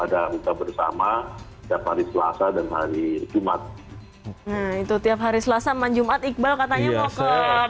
serta bersama setiap hari selasa dan hari jumat itu tiap hari selasa majumat iqbal katanya mau ke